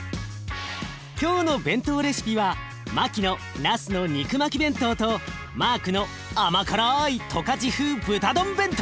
今日の弁当レシピはマキのなすの肉巻き弁当とマークの甘辛い十勝風豚丼弁当！